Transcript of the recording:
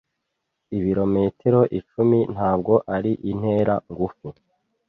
Ibirometero icumi ntabwo ari intera ngufi.